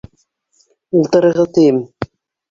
Ултырығыҙ, тием!